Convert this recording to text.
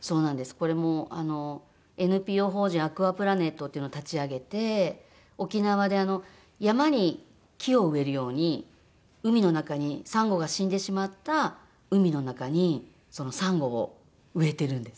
これもＮＰＯ法人アクアプラネットっていうのを立ち上げて沖縄で山に木を植えるように海の中にサンゴが死んでしまった海の中にサンゴを植えてるんです。